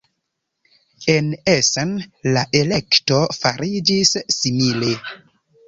En Essen la elekto fariĝis simile.